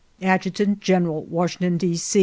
"Adjutant General, "Washington, D.